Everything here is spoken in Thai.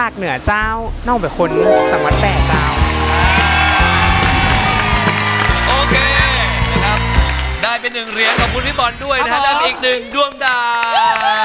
ขอบคุณพี่บอลด้วยนะครับนั่นอีกหนึ่งดวงดาว